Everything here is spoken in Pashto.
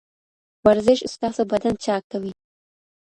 ورزش ستاسو بدن چاک کوي.